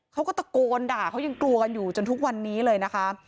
เขาก็ตะโกนด่าเขายังกลัวกันอยู่จนทุกวันนี้เลยนะคะ